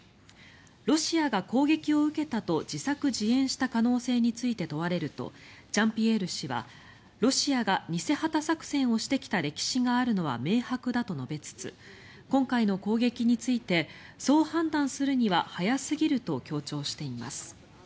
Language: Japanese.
ロシアが攻撃を受けたと自作自演した可能性について問われるとジャンピエール氏はロシアが偽旗作戦をしてきた歴史があるのは明白だと述べつつ今回の攻撃についてそう判断するには早すぎると強調しています。